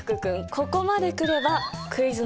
ここまでくればクイズの答え